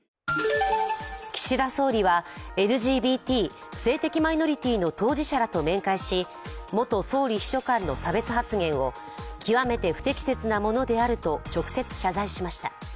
岸田総理はＬＧＢＴ＝性的マイノリティーの当事者らと面会し、元総理秘書官の差別発言を極めて不適切なものであると直接謝罪しました。